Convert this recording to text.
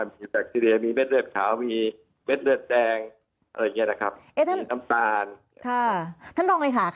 มีแบบที่เดียวมีเม็ดเลือดขาวมีเม็ดเลือดแดงมีน้ำตาล